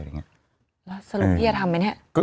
แล้วสรุปพี่จะทำไหมเนี่ย